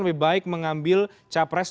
lebih baik mengambil capres